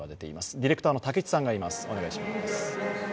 ディレクターの武智さんがいます。